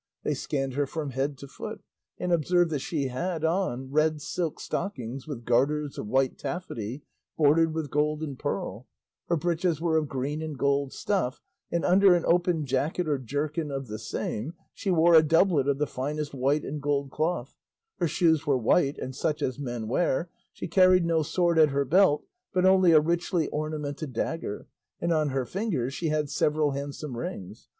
They scanned her from head to foot, and observed that she had on red silk stockings with garters of white taffety bordered with gold and pearl; her breeches were of green and gold stuff, and under an open jacket or jerkin of the same she wore a doublet of the finest white and gold cloth; her shoes were white and such as men wear; she carried no sword at her belt, but only a richly ornamented dagger, and on her fingers she had several handsome rings.